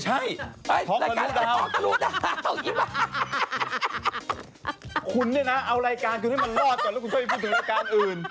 จิ้งหลีดเคาร์